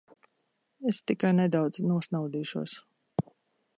Es tikai nedaudz nosnaudīšos.